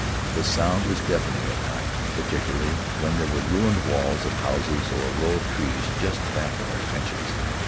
The sound was deafening at times, particularly when there were ruined walls of houses or a row of trees just back of our trenches.